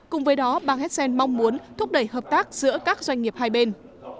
cùng với đó bang hessen mong muốn thúc đẩy hợp tác giữa các doanh nghiệp hai bên